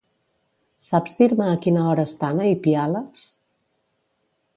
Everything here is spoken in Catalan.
Saps dir-me a quina hora estan a Ipiales?